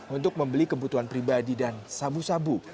untuk membeli kebutuhan pribadi dan sabu sabu